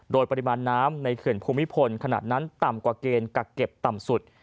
โดยปริมาณน้ำในเขื่อนภูมิพลขนาดนั้นต่ำกว่าเกณฑ์กักเก็บต่ำสุด